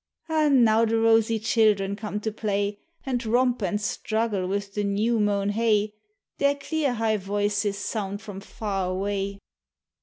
Ah! now the rosy children come to play, And romp and struggle with the new mown hay; Their clear high voices sound from far away.